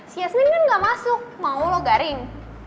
si yasmin kan gak masuk mau lo garing